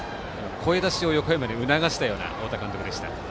声出しを横山に促したような太田監督でした。